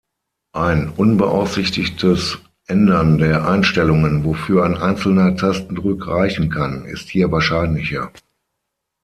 Ein unbeabsichtigtes Ändern der Einstellungen, wofür ein einzelner Tastendruck reichen kann, ist hier wahrscheinlicher.